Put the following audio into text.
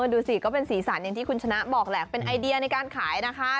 ดูสิก็เป็นสีสันอย่างที่คุณชนะบอกแหละเป็นไอเดียในการขายนะคะ